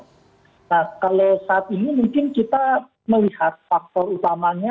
nah kalau saat ini mungkin kita melihat faktor utamanya